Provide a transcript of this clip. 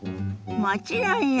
もちろんよ！